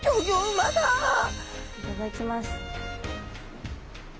いただきます。